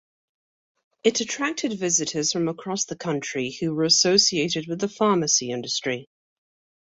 It attracted visitors from across the country who were associated with the pharmacy industry.